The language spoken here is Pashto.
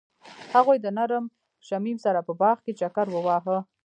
هغوی د نرم شمیم سره په باغ کې چکر وواهه.